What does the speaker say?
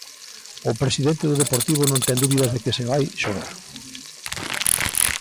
O presidente do Deportivo non ten dúbidas de que se vai xogar.